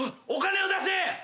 お金を出せ！